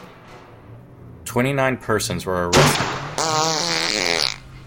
Twenty-nine persons were arrested.